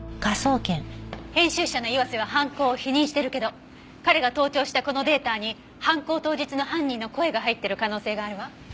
編集者の岩瀬は犯行を否認しているけど彼が盗聴したこのデータに犯行当日の犯人の声が入っている可能性があるわ。